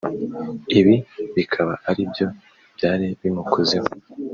Ibi bikaba aribyo byari bimukozeho